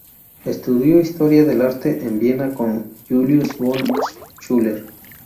Estudió historia del arte en Viena con Julius von Schlosser.